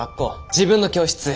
自分の教室